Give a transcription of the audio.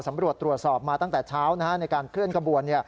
ตำรวจตรวจสอบมาตั้งแต่เช้าในการเคลื่อนขบวน